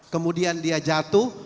kemudian dia jatuh